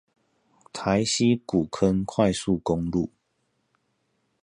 台西古坑快速公路